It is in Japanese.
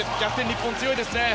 日本強いですね。